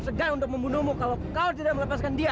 dan tiang tidak akan segera membunuhmu kalau kau tidak melepaskan dia